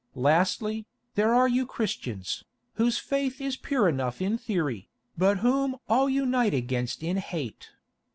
Lastly, there are you Christians, whose faith is pure enough in theory, but whom all unite against in hate.